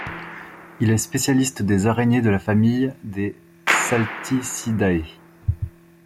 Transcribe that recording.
Il est spécialiste des araignées de la famille des Salticidae.